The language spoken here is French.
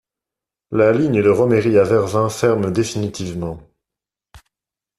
La ligne de Romery à Vervins ferme définitivement.